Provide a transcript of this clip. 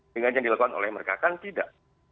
dengan yang dilakukan oleh mereka kan tidak